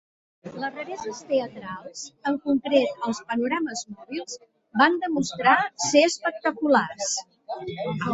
Les rareses teatrals, en concret, els panorames mòbils, van demostrar ser espectaculars.